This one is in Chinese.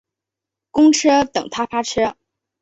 公车等他发车